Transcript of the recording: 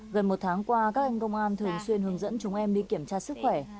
gần một tháng qua các anh công an thường xuyên hướng dẫn chúng em đi kiểm tra sức khỏe